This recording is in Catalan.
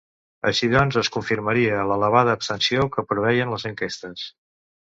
Així doncs, es confirmaria l’elevada abstenció que preveien les enquestes.